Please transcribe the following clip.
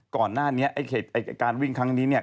ก่อนหน้านี้ไอ้การวิ่งครั้งนี้